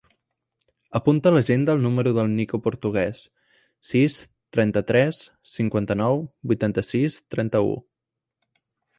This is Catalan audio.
Apunta a l'agenda el número del Niko Portugues: sis, trenta-tres, cinquanta-nou, vuitanta-sis, trenta-u.